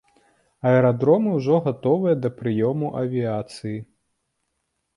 Аэрадромы ўжо гатовыя да прыёму авіяцыі.